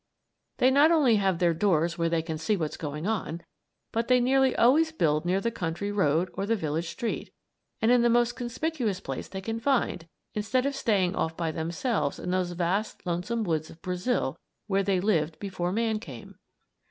They not only have their doors where they can see what's going on, but they nearly always build near the country road or the village street, and in the most conspicuous place they can find, instead of staying off by themselves in those vast, lonesome woods of Brazil where they lived before man came.